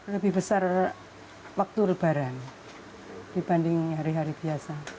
lebih besar waktu lebaran dibanding hari hari biasa